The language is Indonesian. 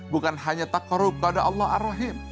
bukan hanya tak korup pada allah ar rahim